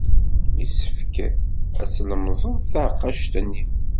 Yessefk ad tlemẓed taɛeqqact-nni.